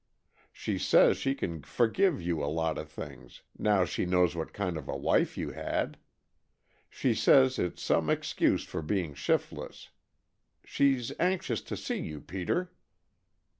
She says she can forgive you a lot of things, now she knows what kind of a wife you had. She says it's some excuse for being shiftless. She's anxious to see you, Peter."